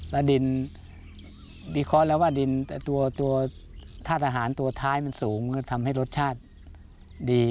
และดินดินท่าทอาหารตัวท้ายมันสูงมันทำให้รสชาติดี